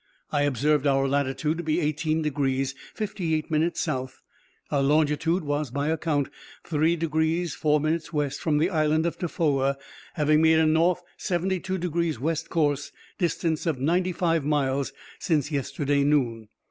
I observed our latitude to be 18 degrees 58 minutes south; our longitude was, by account, 3 degrees 4 minutes west from the island of Tofoa, having made a north 72 degrees west course, distance ninety five miles, since yesterday noon.